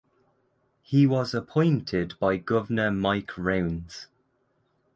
He was appointed by Governor Mike Rounds.